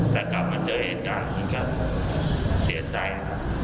แต่กลับมาเจอเหตุการณ์มันก็เสียใจครับ